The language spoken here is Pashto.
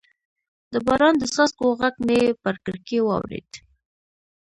د باران د څاڅکو غږ مې پر کړکۍ واورېد.